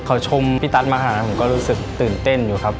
เขาชมพี่ตั๊ดมาหาผมก็รู้สึกตื่นเต้นอยู่ครับ